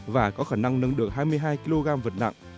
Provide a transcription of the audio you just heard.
và có khả năng nâng được hai mươi hai kg vật nặng